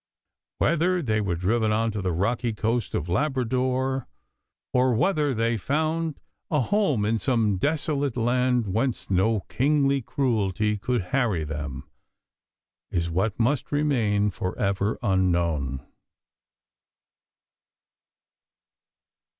Whether they were driven on to the rocky coast of Labrador, or whether they found a home in some desolate land whence no kingly cruelty could harry them, is what must remain for ever unknown.